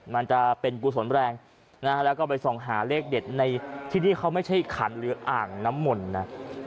มันจะเป็นกุศลแรงนะฮะแล้วก็ไปส่องหาเลขเด็ดในที่นี่เขาไม่ใช่ขันหรืออ่างน้ำมนต์นะ